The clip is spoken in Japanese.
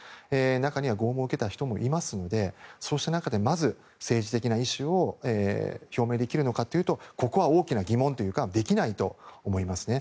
中には拷問を受けた人もいますのでそうした中でまず政治的な意思を表明できるのかというとここは大きな疑問というかできないと思いますね。